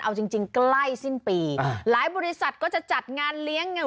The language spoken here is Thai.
เอาจริงใกล้สิ้นปีหลายบริษัทก็จะจัดงานเลี้ยง